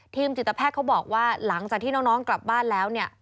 จิตแพทย์เขาบอกว่าหลังจากที่น้องกลับบ้านแล้วเนี่ย